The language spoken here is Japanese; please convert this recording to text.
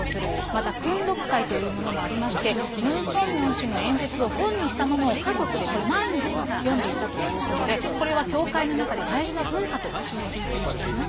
また、訓読会というものもありまして、ムン・ソンミョン氏の演説を本にしたものを家族で、これ、毎日読んでいたということで、これは教会の中で大事な文化とされていたんですね。